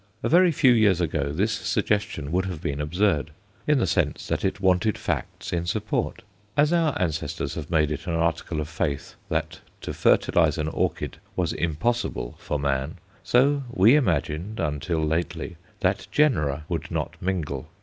A very few years ago this suggestion would have been absurd, in the sense that it wanted facts in support. As our ancestors made it an article of faith that to fertilize an orchid was impossible for man, so we imagined until lately that genera would not mingle.